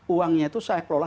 uangnya itu saya kelola